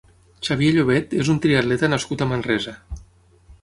Xavier Llobet és un triatleta nascut a Manresa.